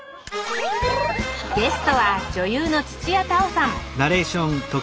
ゲストは女優の土屋太鳳さん。